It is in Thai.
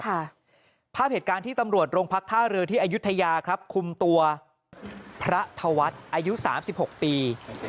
ภาพเหตุการณ์ที่ตำรวจโรงพักท่าเรือที่อายุทยาครับคุมตัวพระธวัฒน์อายุสามสิบหกปี